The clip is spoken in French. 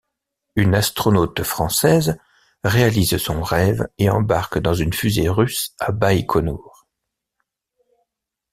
Une astronaute française réalise son rêve et embarque dans une fusée russe à Baikonour.